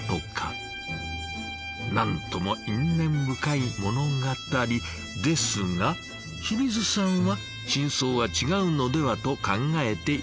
なんとも因縁深い物語ですが清水さんは真相は違うのではと考えているそうです。